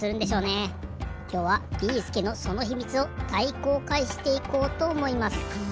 きょうはビーすけのその秘密を大公開していこうとおもいます。